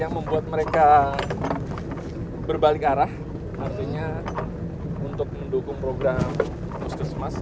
yang membuat mereka berbalik arah artinya untuk mendukung program puskesmas